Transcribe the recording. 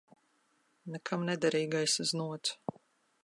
Nekam nederīgais znots.